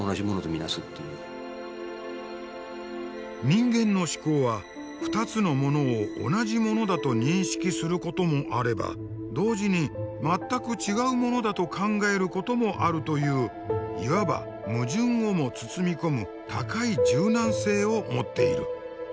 人間の思考は２つのものを同じものだと認識することもあれば同時に全く違うものだと考えることもあるといういわば矛盾をも包み込む高い柔軟性を持っている。